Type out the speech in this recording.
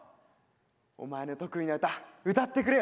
お前の得意な唄うたってくれよ。